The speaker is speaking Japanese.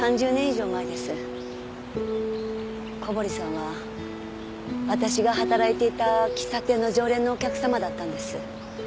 小堀さんは私が働いていた喫茶店の常連のお客様だったんです。